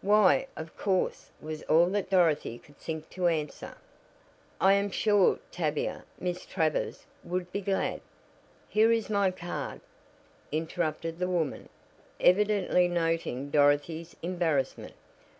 "Why, of course," was all that Dorothy could think to answer. "I am sure Tavia Miss Travers would be glad " "Here is my card," interrupted the woman, evidently noting Dorothy's embarrassment.